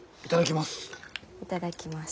頂きます。